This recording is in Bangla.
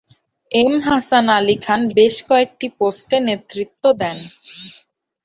এম হাসান আলী খান বেশ কয়েকটি পোস্টে নেতৃত্ব দেন।